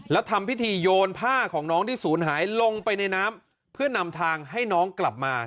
แล้วทำพิธีโยนผ้าของน้องที่ศูนย์หายลงไปในน้ำเพื่อนำทางให้น้องกลับมา